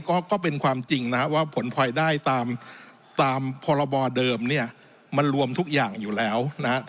ก็เป็นความจริงว่าผลพลอยได้ตามพบเดิมมันรวมทุกอย่างอยู่แล้ว